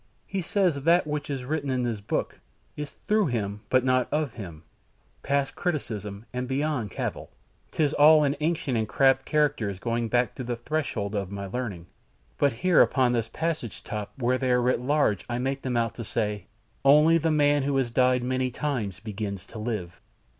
"He says that which is written in his book is through him but not of him, past criticism and beyond cavil. 'Tis all in ancient and crabbed characters going back to the threshold of my learning, but here upon this passage top where they are writ large I make them out to say, 'ONLY THE MAN WHO HAS DIED MANY TIMES BEGINS TO LIVE.'"